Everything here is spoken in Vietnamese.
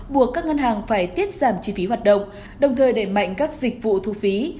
buộc các ngân hàng phải tiết giảm chi phí hoạt động đồng thời đẩy mạnh các dịch vụ thu phí